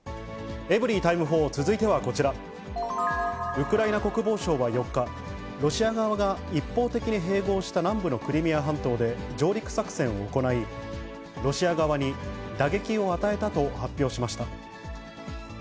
ウクライナ国防省は４日、ロシア側が一方的に併合した南部のクリミア半島で上陸作戦を行い、ロシア側に打撃を与えたと発表しました。